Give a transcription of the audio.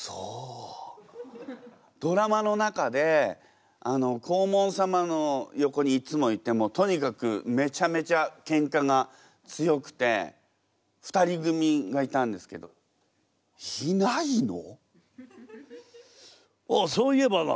ドラマの中で黄門様の横にいつもいてとにかくめちゃめちゃケンカが強くて２人組がいたんですけどいないの？